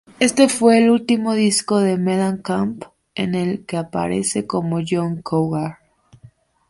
Este fue el último disco de Mellencamp en el que aparece como John Cougar.